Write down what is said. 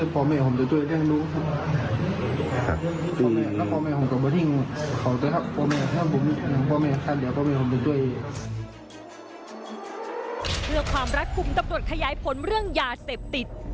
เพื่อความรักคุมตำรวจขยายผลเรื่องยาเสพติด